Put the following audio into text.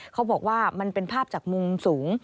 เขาบอกว่ามันเป็นภาพจากมุมสูง